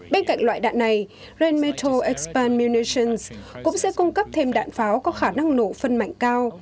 bên cạnh loại đạn này rheinmetall expand munitions cũng sẽ cung cấp thêm đạn pháo có khả năng nổ phân mạnh cao